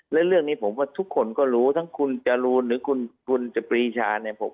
และเรื่องนี้ผมว่าทุกคนก็รู้ทั้งคุณจรูนหรือคุณจปรีชาเนี่ย